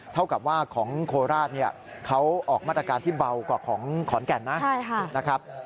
เท่ากับว่าของโคราชเนี่ยเขาออกมาตรการที่เบากว่าของขอนแก่นนะครับ